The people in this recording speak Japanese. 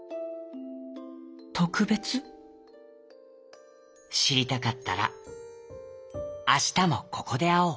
「しりたかったらあしたもここであおう」。